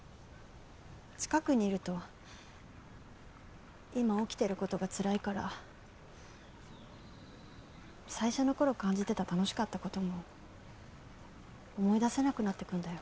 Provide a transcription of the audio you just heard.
近くにいると今起きてることがつらいから最初の頃感じてた楽しかったことも思い出せなくなってくんだよ。